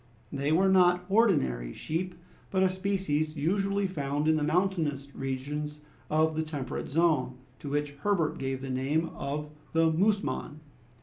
They were not ordinary sheep, but a species usually found in the mountainous regions of the temperate zone, to which Herbert gave the name of the musmon.